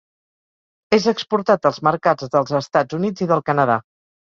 És exportat als mercats dels Estats Units i del Canadà.